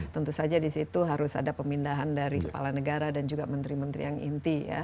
tentu saja di situ harus ada pemindahan dari kepala negara dan juga menteri menteri yang inti ya